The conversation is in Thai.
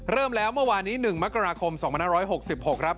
เริ่มแล้วเมื่อวานนี้๑มกราคม๒๕๖๖ครับ